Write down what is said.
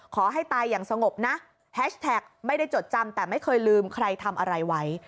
ขอให้ตายอย่างสงบนะแฮชแท็กไม่ได้จดจำแต่ไม่เคยลืมใครทำอะไรไว้